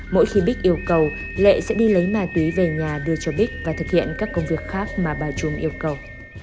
mỗi khi bích yêu cầu lệ sẽ đi lấy ma túy về nhà đưa cho bích và thực hiện các công việc khác mà bà trung yêu cầu